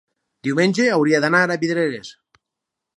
diumenge hauria d'anar a Vidreres.